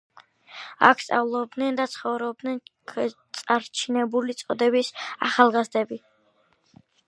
აქ სწავლობდნენ და ცხოვრობდნენ წარჩინებული წოდების ახალგაზრდები.